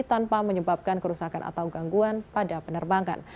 tanpa menyebabkan kerusakan atau gangguan pada penerbangan